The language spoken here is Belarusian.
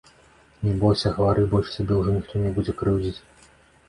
Не бойся, гавары, больш цябе ўжо ніхто не будзе крыўдзіць.